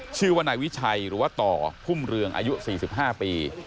ชื่อว่านายวิชัยหรือว่าต่อพุ่มเรืองอายุ๔๕ปี